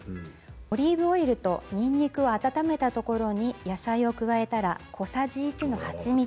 オリーブオイルとにんにくを温めたところに野菜を加えたら小さじ１のはちみつ。